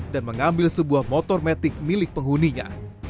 dan mengambil sebuah motor metik milik penghuninya